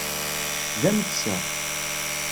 D ameksa.